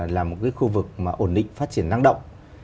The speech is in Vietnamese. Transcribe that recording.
là một cái khu vực mà ổn định phát triển năng động